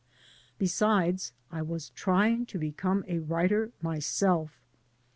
Besides, I was trying to become a writer myself.